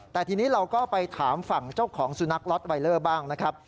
แต่ทีนี้เราก็ไปถามฝั่งเจ้าของสุนัขล็อตไวเลอร์บ้างนะครับ